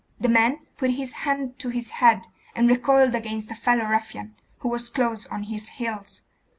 The man put his hand to his head, and recoiled against a fellow ruffian, who was close on his heels.